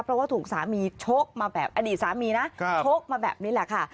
เพราะว่าถูกสามีชกมาแบบอดีตสามีนะชกมาแบบนี้แหละค่ะ